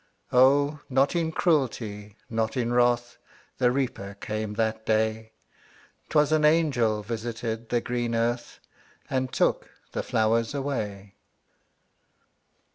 O, not in cruelty, not in wrath, The Reaper came that day; 'Twas an angel visited the green earth, And took the flowers away.